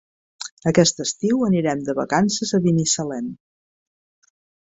Aquest estiu anirem de vacances a Binissalem.